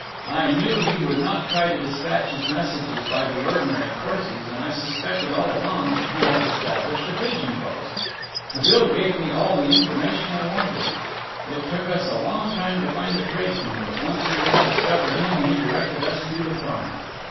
I knew he would not try to dispatch his message by the ordinary courses and I suspected all along that he had established a pigeon post. The bill gave me all the information I wanted. It took us a long time to find the tradesman, but once we had discovered him he directed us to the farm.